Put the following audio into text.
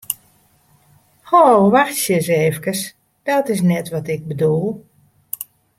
Ho, wachtsje ris efkes, dat is net wat ik bedoel!